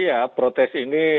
iya protes ini